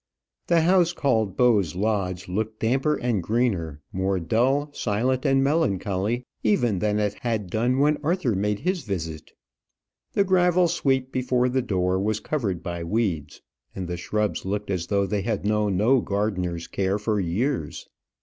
The house called Bowes Lodge looked damper and greener, more dull, silent, and melancholy, even than it had done when Arthur made his visit. The gravel sweep before the door was covered by weeds, and the shrubs looked as though they had known no gardener's care for years.